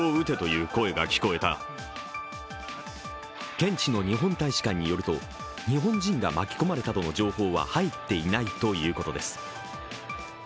現地の日本大使館によると日本人が巻き込まれたとの情報は入っていないということです。